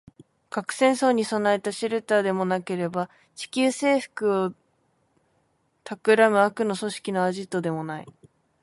核戦争に備えたシェルターでもなければ、地球制服を企む悪の組織のアジトでもない